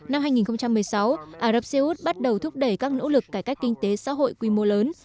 năm hai nghìn một mươi sáu ả rập xê út bắt đầu thúc đẩy các nỗ lực cải cách kinh tế xã hội quy mô lớn